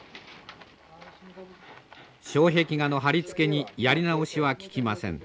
障壁画の貼り付けにやり直しは利きません。